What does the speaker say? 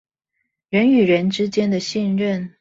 人與人之間的信任